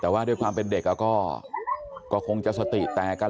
แต่ว่าด้วยความเป็นเด็กก็คงจะสติแตกกัน